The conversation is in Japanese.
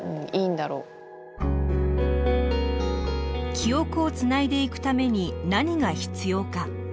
記憶をつないでいくために何が必要か。